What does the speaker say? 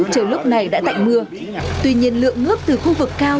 trời lúc này đã tại mưa tuy nhiên lượng ngước từ khu vực cao